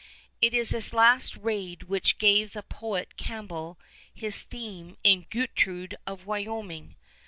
It is this last raid which gave the poet Campbell his theme in "Gertrude of Wyoming."